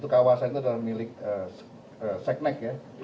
kawasan itu adalah milik seknek ya